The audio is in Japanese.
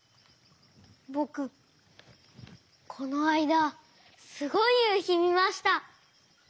ぼくこのあいだすごいゆうひみました！